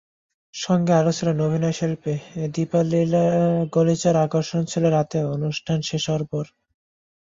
সঙ্গে আরও ছিলেন অভিনয়শিল্পী দীপালীলালগালিচার আকর্ষণ ছিল রাতেও, অনুষ্ঠান শেষ হওয়ার পর।